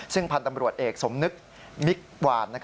ซึ่งพันธ์ตำรวจเอกสมนึกมิกวาน